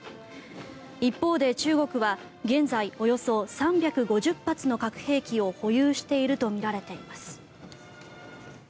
一方で中国は現在、およそ３５０発の核兵器を保有しているとみられています。